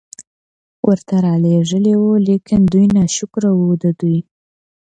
ورته را ليږلي وو، ليکن دوی ناشکره وو، د دوی